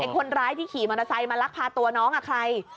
คนร้ายที่ขี่มอเตอร์ไซค์มาลักพาตัวน้องใคร